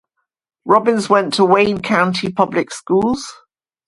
Robbins went to the Wayne County public schools.